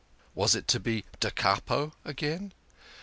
Was it to be da capo again